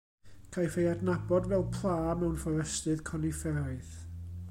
Caiff ei adnabod fel pla mewn fforestydd conifferaidd.